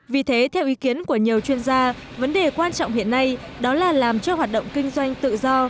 vì thế theo ý kiến của nhiều chuyên gia vấn đề quan trọng hiện nay đó là làm cho hoạt động kinh doanh tự do